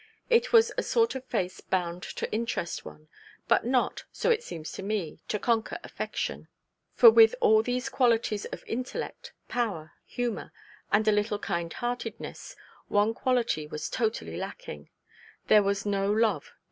It was a sort of face bound to interest one; but not, so it seems to me, to conquer affection. For with all these qualities of intellect, power, humour, and a little kind heartedness, one quality was totally lacking: there was no love in M.